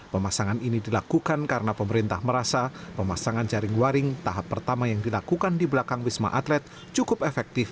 pemasangan ini dilakukan karena pemerintah merasa pemasangan jaring waring tahap pertama yang dilakukan di belakang wisma atlet cukup efektif